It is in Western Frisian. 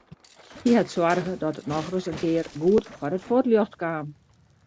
Hy hat soarge dat it nochris in kear goed foar it fuotljocht kaam.